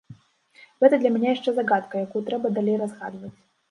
Гэта для мяне яшчэ загадка, якую трэба далей разгадваць.